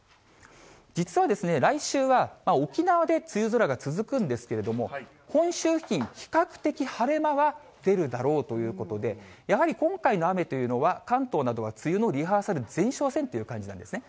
実は、来週は沖縄で梅雨空が続くんですけれども、本州付近、比較的晴れ間は出るだろうということで、やはり今回の雨というのは、関東などは梅雨のリハーサル、前哨戦という感じなんですね。